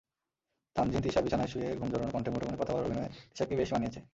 তানজিন তিশাবিছানায় শুয়ে ঘুম জড়ানো কণ্ঠে মুঠোফোনে কথা বলার অভিনয়ে তিশাকে বেশ মানিয়েছে।